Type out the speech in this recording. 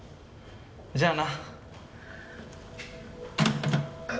じゃあな。